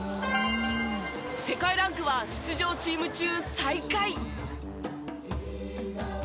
世界ランクは出場チーム中、最下位。